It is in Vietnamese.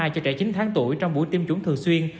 cho trẻ chín tháng tuổi trong buổi tiêm chủng thường xuyên